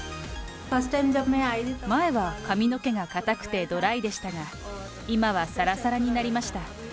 前は髪の毛が硬くてドライでしたが、今はさらさらになりました。